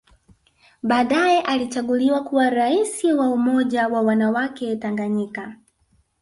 Baadae alichaguliwa kuwa Rais wa Umoja wa wanawake Tanganyika